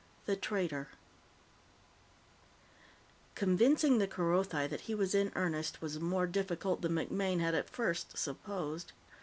The Traitor Convincing the Kerothi that he was in earnest was more difficult than MacMaine had at first supposed.